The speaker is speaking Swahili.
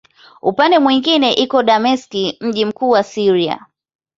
Upande mwingine iko Dameski, mji mkuu wa Syria.